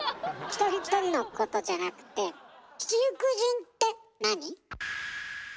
一人一人のことじゃなくて七福神ってなに？